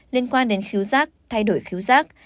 liên quan đến khíu giác thay đổi khíu giác